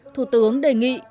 thủ tướng đề nghị